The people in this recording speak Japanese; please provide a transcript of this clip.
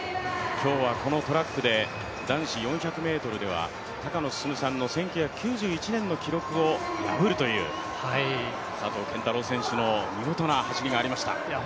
今日はこのトラックで男子４００ｍでは高野進さんの１９９１年の記録を破るという佐藤拳太郎選手の見事な走りがありました。